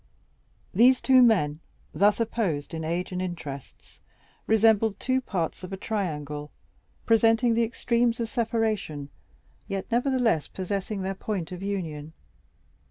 These two men, thus opposed in age and interests, resembled two parts of a triangle, presenting the extremes of separation, yet nevertheless possessing their point of union.